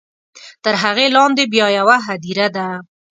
تر هغې لاندې بیا یوه هدیره ده.